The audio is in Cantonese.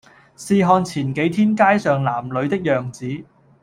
試看前幾天街上男女的樣子，